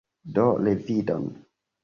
Do, revidon!